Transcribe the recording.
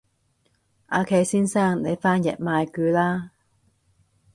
阿祁先生你翻譯埋佢啦